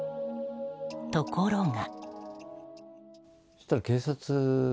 ところが。